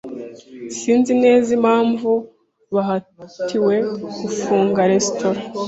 S Sinzi neza impamvu bahatiwe gufunga resitora.